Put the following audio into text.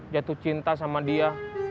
jatuh cinta sama dia